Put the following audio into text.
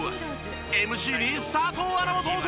ＭＣに佐藤アナも登場。